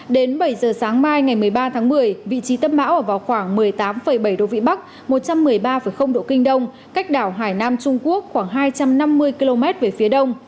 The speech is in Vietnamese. đến bảy giờ sáng mai ngày một mươi ba tháng một mươi vị trí tâm bão ở vào khoảng một mươi tám bảy độ vĩ bắc một trăm một mươi ba độ kinh đông cách đảo hải nam trung quốc khoảng hai trăm năm mươi km về phía đông